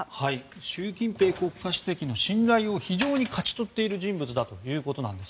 習近平国家主席の信頼を非常に勝ち取っている人物だということです。